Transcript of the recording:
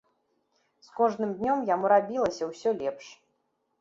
З кожным днём яму рабілася ўсё лепш.